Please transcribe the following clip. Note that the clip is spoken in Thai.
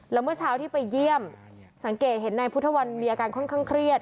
แล้วเมื่อเช้าที่ไปเยี่ยมสังเกตเห็นนายพุทธวันมีอาการค่อนข้างเครียด